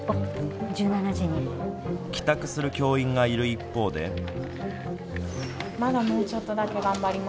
帰宅する教員がいる一方で。